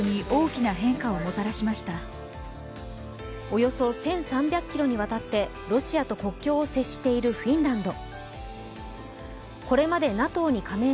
およそ１３００ｋｍにわたってロシアと国境を接しているフィンランド。